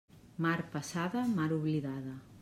Mar passada, mar oblidada.